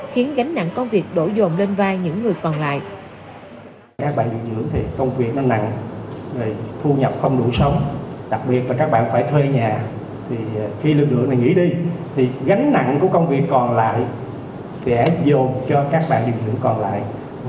khiến gánh nặng công việc đổi dồn lên vai những người còn lại